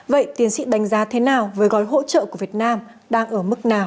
vậy tiến sĩ đánh giá thế nào với gói hỗ trợ của việt nam đang ở mức nào